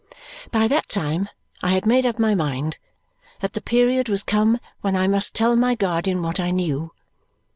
By that time I had made up my mind that the period was come when I must tell my guardian what I knew.